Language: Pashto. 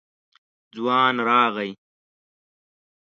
ځوان راغی.